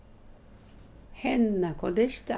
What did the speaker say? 変な子でした。